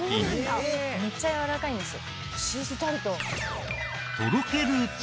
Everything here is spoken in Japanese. めっちゃやわらかいんですよ。